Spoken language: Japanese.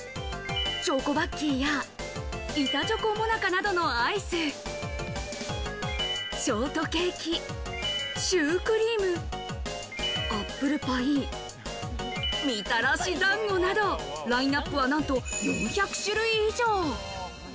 チョコバッキーや板チョコモナカなどのアイス、ショートケーキ、シュークリーム、アップルパイ、みたらし団子など、ラインナップはなんと４００種類以上。